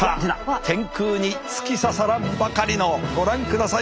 天空に突き刺さらんばかりのご覧ください